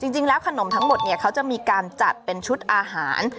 จริงแล้วขนมทั้งหมดเนี่ยเขาจะมีการจัดเป็นชุดอาหาร